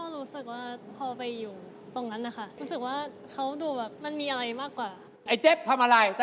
แล้วที่เหมือนนี่ครับ